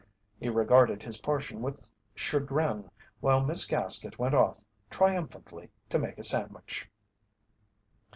He regarded his portion with chagrin while Miss Gaskett went off triumphantly to make a sandwich.